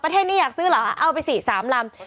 ประเทศนี้อยากซื้อเหรอเอาไป๔๓ลำ